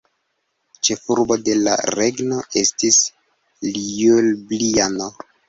Ĉefurbo de la regno estis Ljubljano.